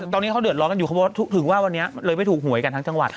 ตอนนี้เขาเดือดร้อนกันอยู่เขาบอกถึงว่าวันนี้เลยไม่ถูกหวยกันทั้งจังหวัด